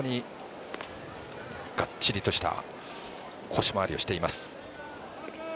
非常に、がっちりとした腰回りをしています。